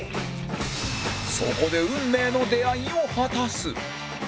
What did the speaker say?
そこで運命の出会いを果たす